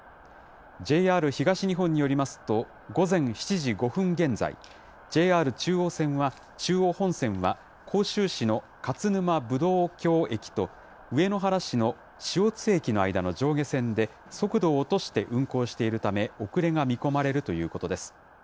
ＪＲ東日本によりますと、午前７時５分現在、ＪＲ中央線は中央本線は、甲州市の勝沼ぶどう郷駅と上野原市の四方津駅の間の上下線で、速度を落として運行しているため、遅れが見込まれるということです。